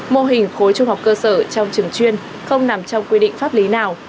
mô hình khối trung học cơ sở trong trường chuyên không nằm trong quy định pháp lý nào